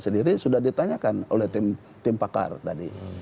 sendiri sudah ditanyakan oleh tim pakar tadi